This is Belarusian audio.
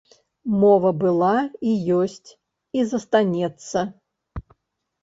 Мова была і ёсць, і застанецца.